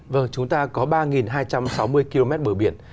vâng chúng ta có ba hai trăm sáu mươi km bờ biển